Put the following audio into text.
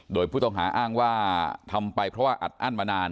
โดยผู้ต้องหาอ้างว่าทำไปเพราะว่าอัดอั้นมานาน